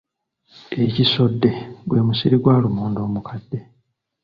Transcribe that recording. Ekisodde gwe musiri gwa lumonde omukadde.